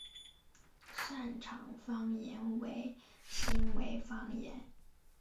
擅长方言为新舄方言。